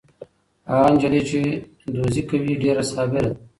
هغه نجلۍ چې دوزي کوي ډېره صابره ده.